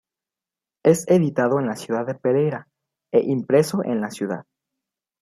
Es editado en la ciudad de Pereira e impreso en la ciudad.